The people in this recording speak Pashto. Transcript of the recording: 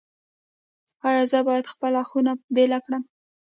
ایا زه باید خپله خونه بیله کړم؟